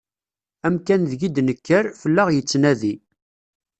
Amkan deg i d-nekker, fell-aɣ yettnadi.